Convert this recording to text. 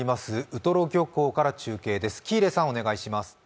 ウトロ漁港から中継です。